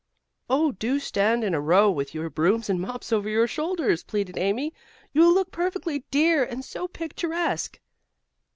"Oh, do stand in a row with your brooms and mops over your shoulders," pleaded Amy. "You look perfectly dear and so picturesque."